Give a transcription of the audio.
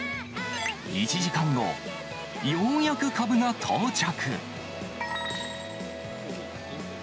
１時間後、ようやくかぶが到着。